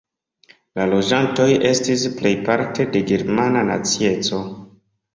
La loĝantoj estis plejparte de germana nacieco.